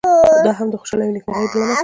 دا هم د خوشالۍ او نیکمرغۍ بله نښه ده.